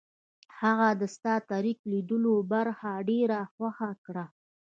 هغه د سټار ټریک لیدلو برخه ډیره خوښه کړه